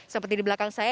seperti di belakang saya